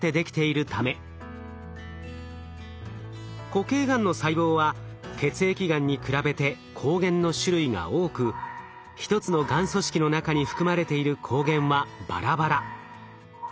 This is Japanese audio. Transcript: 固形がんの細胞は血液がんに比べて抗原の種類が多く一つのがん組織の中に含まれている抗原はバラバラ。